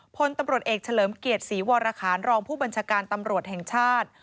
พลตำรวจเอกเฉลิมเกียรติศรีวรคารรองผู้บัญชาการตำรวจแห่งชาติ